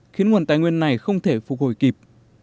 khiến nguồn tài nguyên này không thể phục hồi kịp